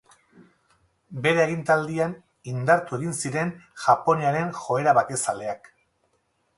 Bere agintaldian, indartu egin ziren Japoniaren joera bakezaleak.